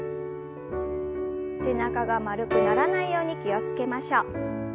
背中が丸くならないように気を付けましょう。